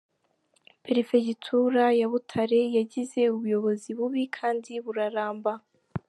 Perefegitura ya Butare yagize ubuyobozi bubi kandi buraramba.